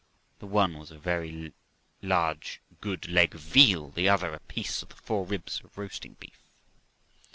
The one was a large, very good leg of veal; the other a piece of the fbres ibs of roasting beef.